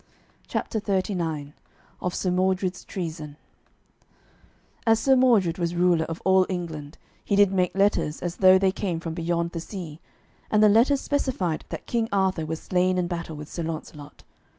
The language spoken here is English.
CHAPTER XXXIX OF SIR MORDRED'S TREASON As Sir Mordred was ruler of all England he did make letters as though they came from beyond the sea, and the letters specified that King Arthur was slain in battle with Sir Launcelot.